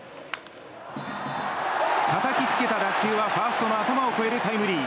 叩きつけた打球はファーストの頭を越えるタイムリー。